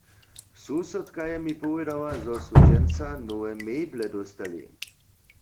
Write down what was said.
Susodka je mi powědała, zo su dźensa nowe meble dóstali.